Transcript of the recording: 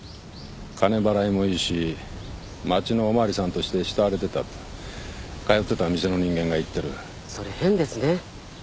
金払いもいいし町のおまわりさんとして慕われてたって通ってた店の人間が言ってるそれ変ですね